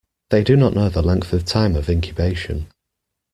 They do not know the length of time of incubation.